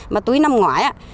mà túi nằm ngoài ạ